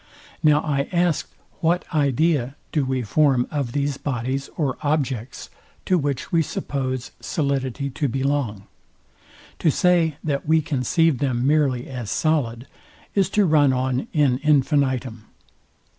Now I ask, what idea do we form of these bodies or objects, to which we suppose solidity to belong? To say, that we conceive them merely as solid, is to run on in infinitum.